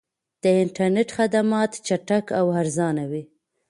د انټرنیټ خدمات چټک او ارزانه وي.